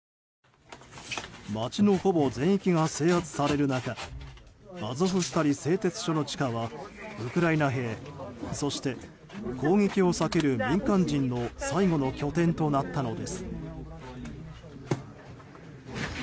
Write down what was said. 街のほぼ全域が制圧される中アゾフスタリ製鉄所の地下はウクライナ兵そして攻撃を避ける民間人の最後の拠点となったのです。